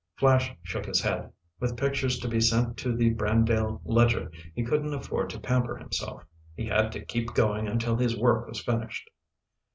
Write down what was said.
Flash shook his head. With pictures to be sent to the Brandale Ledger, he couldn't afford to pamper himself. He had to keep going until his work was finished.